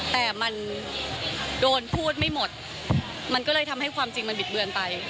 แต่มันโดนพูดไม่หมดมันก็เลยทำให้ความจริงมันบิดเบือนไป